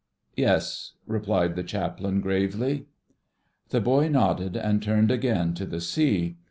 "Yes," replied the Chaplain gravely. The boy nodded and turned again to the sea.